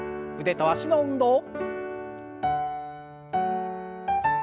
腕と脚の運動。